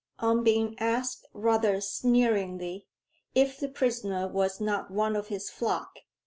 On being asked rather sneeringly, if the prisoner was not one of his flock?